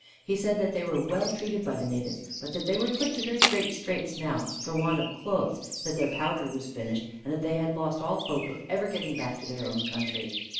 He said that they were well treated by the natives, but that they were put to very great straits now for want of clothes, that their powder was finished, and that they had lost all hope of ever getting back to their own country.